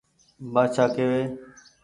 بآڇآ ڪيوي